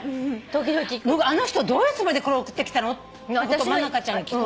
あの人どういうつもりでこれ送ってきたの？ってことを真香ちゃんに聞くの？